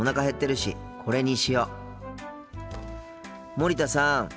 森田さん。